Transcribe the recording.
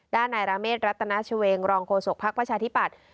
ด้านนายราเมฆรัตนาชเวงรองโฆษกภักดิ์ประชาธิปัตย์